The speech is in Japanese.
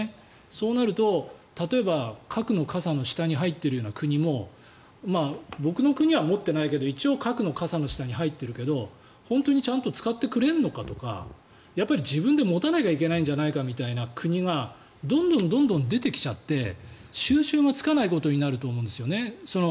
そうなると、例えば核の傘の下に入っているような国も僕の国は持ってないけど一応、核の傘の下に入っているけど、本当にちゃんと使ってくれるのかとかやっぱり自分で持たないといけないんじゃないかというような国がどんどん出てきちゃって収拾がつかないことになると思うんですね。